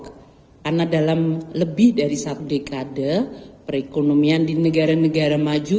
karena dalam lebih dari satu dekade perekonomian di negara negara maju